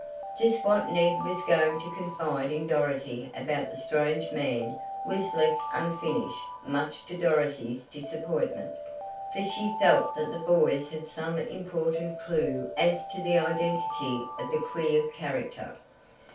Just what Ned was going to confide in Dorothy about the strange man was left unfinished much to Dorothy's disappointment, for she felt that the boys had some important clue as to the identity of the queer character.